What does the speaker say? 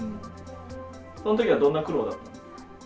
その時はどんな苦労だった？